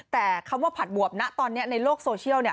แต่คำว่าผัดบวบนะตอนนี้ในโลกโซเชียล